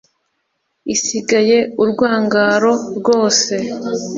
isigaye urwangaro rwose